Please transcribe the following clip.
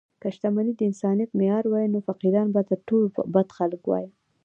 که شتمني د انسانیت معیار وای، نو فقیران به تر ټولو بد خلک وای.